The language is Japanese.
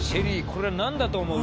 これ何だと思う？